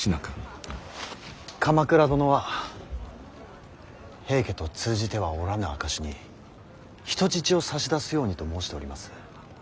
鎌倉殿は平家と通じてはおらぬ証しに人質を差し出すようにと申しております。